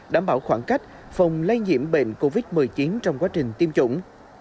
đảm bảo khoảng cách phòng lây nhiễm bệnh covid một mươi chín trong quá trình tiêm chủng